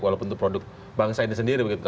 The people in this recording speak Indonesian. walaupun itu produk bangsa ini sendiri begitu